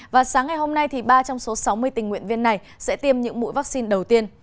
và sáng ngày hôm nay ba trong số sáu mươi tình nguyện viên này sẽ tiêm những mũi vaccine đầu tiên